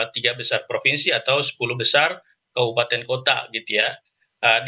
tiga besar provinsi atau sepuluh besar kabupaten kota gitu ya